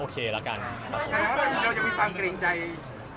คุณคิดว่าเราก็ยังมีความเกรงใจแคบอยู่